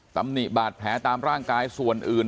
ตำหนิบาดแผลตามร่างกายส่วนอื่น